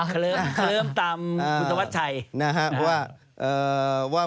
เขิมตามคุณธวัชชัย